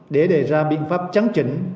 để đề ra biện pháp chắn chỉnh